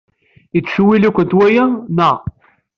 Yettcewwil-ikent waya, anaɣ?